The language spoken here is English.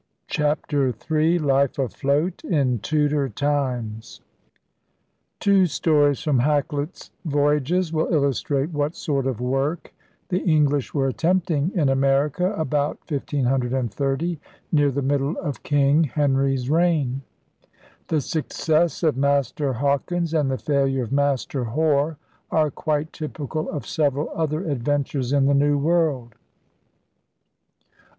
CHAPTER III UFE AFLOAT IN TUDOR TIMES Two stories from Hakluyt's Voyages will illustrate what sort of work the English were attempting in America about 1530, near the middle of King Henry's reign. The success of * Master Haukins' and the failure of * Master Hore' are quite typical of several other adventures in the New World.